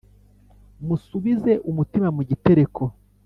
musubize umutima mu gitereko,